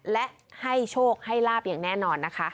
และให้โชคให้ลาบอย่างแน่นอนนะคะ